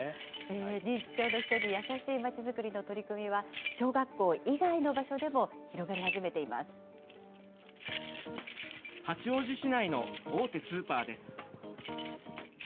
認知症の人に優しいまちづくりの取り組みは、小学校以外の場所で八王子市内の大手スーパーです。